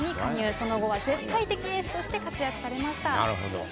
その後は絶対的エースとして活躍されました。